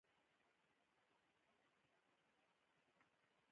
فلزونه په ډیر ښه شکل تودوخه لیږدوي.